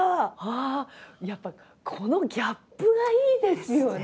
やっぱこのギャップがいいですよね。